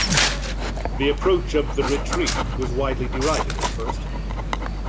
The approach of The Retreat was widely derided at first.